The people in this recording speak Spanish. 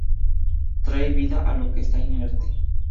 Trae vida a lo que está inerte.